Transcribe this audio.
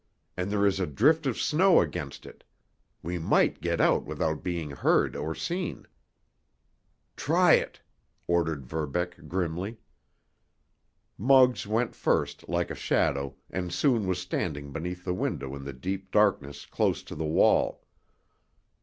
And there is a drift of snow against it. We might get out without being heard or seen." "Try it!" ordered Verbeck grimly. Muggs went first, like a shadow, and soon was standing beneath the window in the deep darkness close to the wall.